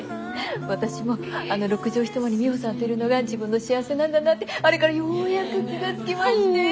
私もあの６畳一間にミホさんといるのが自分の幸せなんだなってあれからようやく気が付きまして。